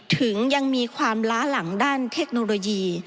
ถึงยังมีความล้าหลังด้านเทคโนโลยี